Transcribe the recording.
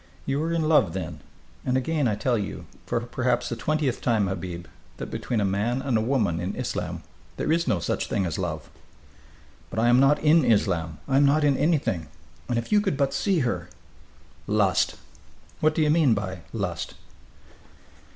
"You are in love, then ... and again I tell, you, for perhaps the twentieth time, Habib, that between a man and a woman in Islam there is no such thing as love." "But I am not in Islam. I am not in anything! And if you could but see her " "Lust!" "What do you mean by 'lust'?"